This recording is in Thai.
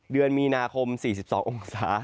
เดือนมีนาคม๔๒องศา